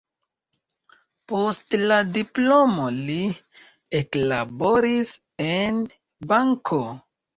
Post la diplomo li eklaboris en banko.